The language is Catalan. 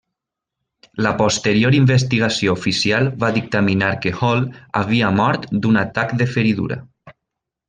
La posterior investigació oficial va dictaminar que Hall havia mort d'un atac de feridura.